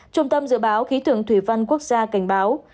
trung tâm dự báo khí tượng thủy văn quốc gia cảnh báo